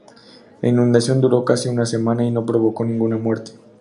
La inundación duró casi una semana y no provocó ninguna muerte.